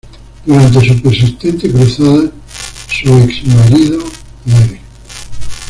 Durante su persistente cruzada, su ex-marido muere.